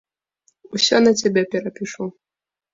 Усё на цябе перапішу.